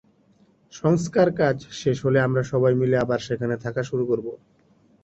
সংস্কারকাজ শেষ হলে আমরা সবাই মিলে আবার সেখানে থাকা শুরু করব।